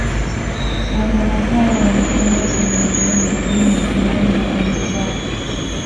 Wanyama hao wametengwa kwenye maeneo maalumu kulingana na aina zao